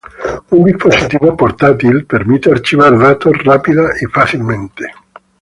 Un dispositivo portátil permite archivar datos rápida y fácilmente.